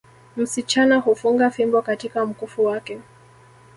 Msichana hufunga fimbo katika mkufu wake